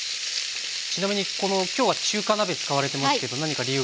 ちなみに今日は中華鍋使われてますけど何か理由があるんですか？